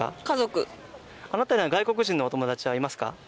家族あなたには外国人のお友達はいますか？